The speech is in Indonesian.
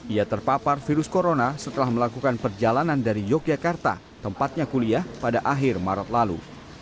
ia terpapar virus corona setelah melakukan perjalanan dari yogyakarta tempatnya kuliah pada akhir maret lalu